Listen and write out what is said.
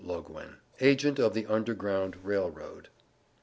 LOGUEN, Agent of the Underground Rail Road.